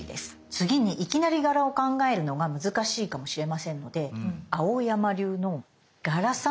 次にいきなり柄を考えるのが難しいかもしれませんので蒼山流の柄サンプルを紹介します。